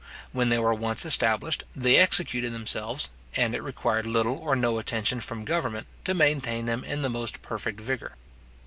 When they were once established, they executed themselves, and it required little or no attention from government to maintain them in the most perfect vigour.